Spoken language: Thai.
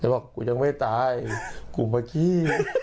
ไอ้บอกกูยังไม่ตายกูมาขี้